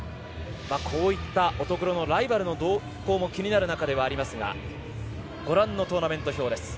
こういった乙黒のライバルの動向も気になるところではありますがご覧のトーナメント表です。